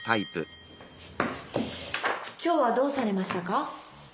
今日はどうされましたか？